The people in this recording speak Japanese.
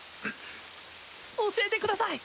教えてください！